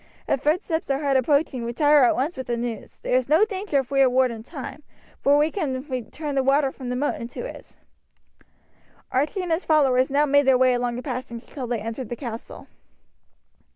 If footsteps are heard approaching retire at once with the news. There is no danger if we are warned in time, for we can turn the water from the moat into it." Archie and his followers now made their way along the passage until they entered the castle.